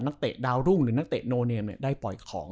เตะดาวรุ่งหรือนักเตะโนเนมได้ปล่อยของ